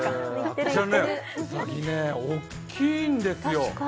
うさぎ、大きいんですよ。